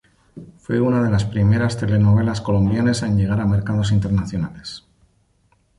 Fue una de las primeras telenovelas colombianas en llegar a mercados internacionales.